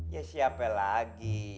ya siapa lagi